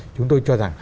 chúng tôi cho rằng